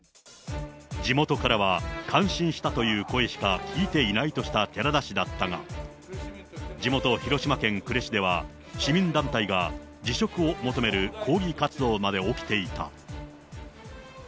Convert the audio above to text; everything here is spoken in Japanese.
地元からは、感心したという声しか聞いていないとした寺田氏だったが、地元、広島県呉市では、市民団体が辞職を求める抗議活動まで起きていた。